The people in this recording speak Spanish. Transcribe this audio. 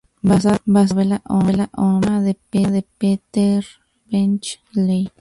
Basada en la novela homónima de Peter Benchley.